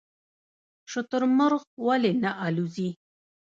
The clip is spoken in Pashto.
شترمرغ ولې نه الوځي؟